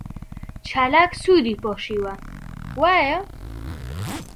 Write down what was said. چالاک سووری پۆشیوە، وایە؟